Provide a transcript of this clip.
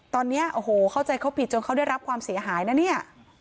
ตอนนี้โอ้โหเข้าใจเขาผิดจนเขาได้รับความเสียหายนะเนี่ย